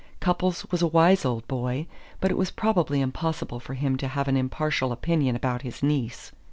Cupples was a wise old boy, but it was probably impossible for him to have an impartial opinion about his niece.